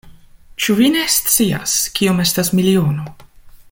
Ĉu vi ne scias, kiom estas miliono?